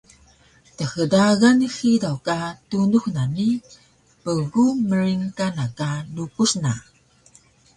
Thdagan hidaw ka tunux na ni bgu mring kana ka lukus na